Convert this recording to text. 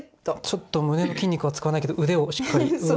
ちょっと胸の筋肉は使わないけど腕をしっかりグー。